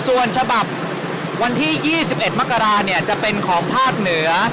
ส่วนฉบับวันที่ยี่สิบเอ็ดมกราคมเนี้ยจะเป็นของภาคเหนือ